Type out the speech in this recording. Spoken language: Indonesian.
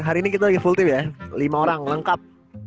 hari ini kita lagi full team ya lima orang lengkap